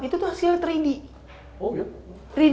ini tuh foto video yang direkam